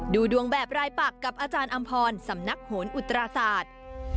ดูดวงแบบรายปักกับอาจารย์อำพรสำนักโหนอุตราศาสตร์